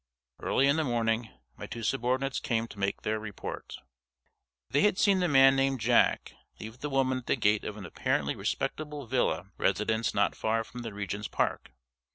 Early in the morning my two subordinates came to make their report. They had seen the man named "Jack" leave the woman at the gate of an apparently respectable villa residence not far from the Regent's Park.